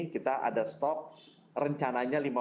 kita ada stok rencananya